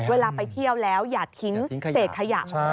เวลาไปเที่ยวแล้วอย่าทิ้งเศษขยะมา